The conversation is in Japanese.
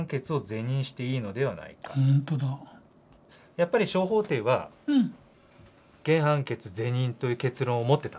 やっぱり小法廷は原判決是認という結論を持ってた。